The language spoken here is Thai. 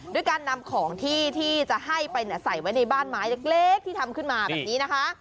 ด้วยการนำของที่ที่จะให้ไปใส่ไว้ในบ้านไม้เล็กที่ทำขึ้นมาแบบนี้นะคะ